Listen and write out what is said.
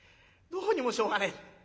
どうにもしょうがねえ。